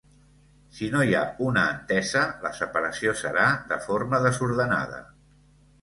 Si no hi ha una entesa, la separació serà de forma desordenada.